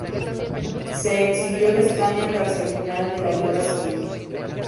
Se exilió de España tras el final de la Guerra civil.